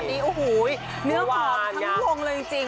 อันนี้โอ้โหเนื้อหอมทั้งวงเลยจริง